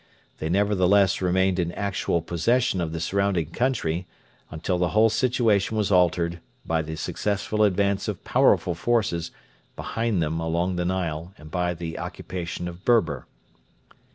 They nevertheless remained in actual possession of the surrounding country, until the whole situation was altered by the successful advance of powerful forces behind them along the Nile and by the occupation of Berber.